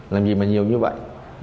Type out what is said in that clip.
làm gì mà nhiều như vậy